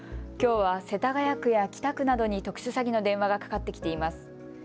きょうは世田谷区や北区などに特殊詐欺の電話がかかってきています。